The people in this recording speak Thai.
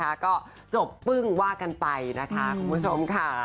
แล้วก็จบว่ากันไปนะคะคุณผู้ชมค่ะ